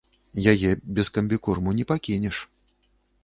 Яе без камбікорму не пакінеш.